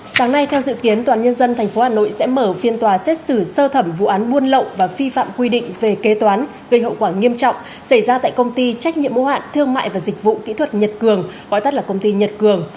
sáng nay theo dự kiến tòa nhân dân tp hà nội sẽ mở phiên tòa xét xử sơ thẩm vụ án buôn lậu và vi phạm quy định về kế toán gây hậu quả nghiêm trọng xảy ra tại công ty trách nhiệm mô hạn thương mại và dịch vụ kỹ thuật nhật cường gọi tắt là công ty nhật cường